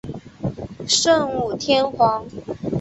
圣武天皇。